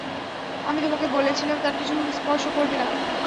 আমি তোমাকে বলেছিলাম তার কিছু স্পর্শ করবে না।